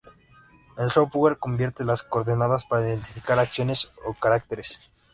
El software convierte las coordenadas para identificar acciones o caracteres.